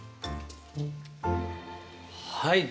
はい。